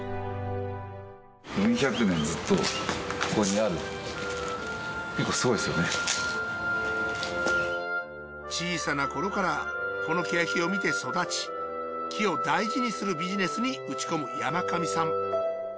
なんと小さな頃からこのケヤキを見て育ち木を大事にするビジネスに打ち込む山上さん。